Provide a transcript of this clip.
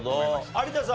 有田さん